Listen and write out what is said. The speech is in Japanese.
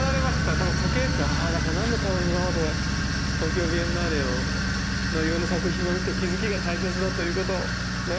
だから時計ってあだから何のために今まで「東京ビエンナーレ」をいろんな作品を見て気付きが大切だということをね